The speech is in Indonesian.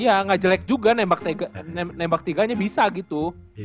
iya gak jelek juga nembak tiganya bisa gitu